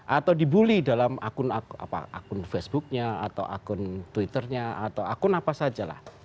atau dibully dalam akun facebooknya atau akun twitternya atau akun apa saja lah